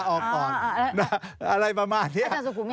ออกก่อนอะไรประมาณนี้